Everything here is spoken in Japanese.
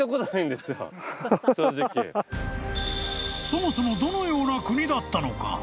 ［そもそもどのような国だったのか］